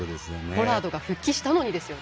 ポラードが復帰したのにですよね。